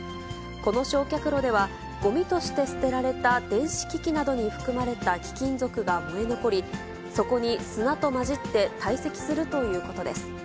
この焼却炉では、ごみとして捨てられた電子機器などに含まれた貴金属が燃え残り、そこに砂と混じって堆積するということです。